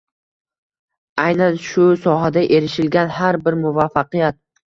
Aynan shu sohada erishilgan har bir muvaffaqiyat